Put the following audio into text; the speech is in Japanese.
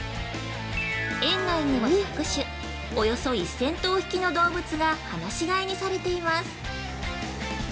園内には１００種、およそ１０００頭匹の動物が放し飼いにされています。